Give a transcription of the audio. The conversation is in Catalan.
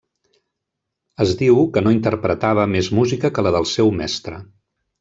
Es diu que no interpretava més música que la del seu mestre.